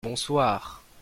bonsoir.